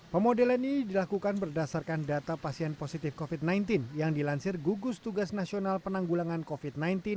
pemodelan ini dilakukan berdasarkan data pasien positif covid sembilan belas yang dilansir gugus tugas nasional penanggulangan covid sembilan belas